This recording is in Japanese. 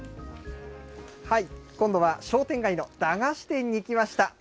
今度は商店街の駄菓子店に来ました。